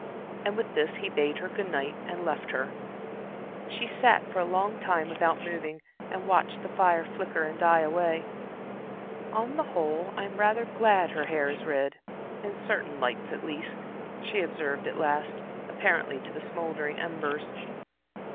And with this he bade her good night, and left her. She sat for a long time without moving, and watched the fire flicker and die away. "On the whole, I'm rather glad her hair is red in certain lights at least," she observed at last, apparently to the smouldering embers.